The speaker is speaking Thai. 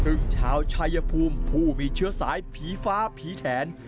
ซึ่งชาวชายภูมิผู้มีเชื้อสายผีฟ้าผีแฉน